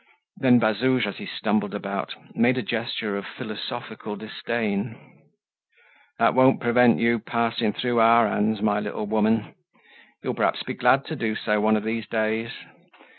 Then Bazouge, as he stumbled about, made a gesture of philosophical disdain. "That won't prevent you passing though our hands, my little woman. You'll perhaps be glad to do so, one of these days.